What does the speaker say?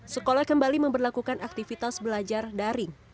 sekolah kembali memperlakukan aktivitas belajar daring